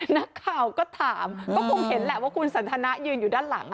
นักข่าวก็ถามก็คงเห็นแหละว่าคุณสันทนายืนอยู่ด้านหลัง